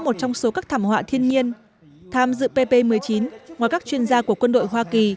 một trong số các thảm họa thiên nhiên tham dự pp một mươi chín ngoài các chuyên gia của quân đội hoa kỳ